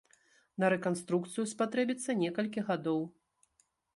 На рэканструкцыю спатрэбіцца некалькі гадоў.